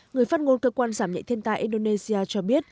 người phát ngôn cơ quan giảm nhạy thiên tài indonesia cho biết